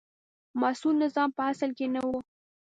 مسوول نظام په اصل کې نه و.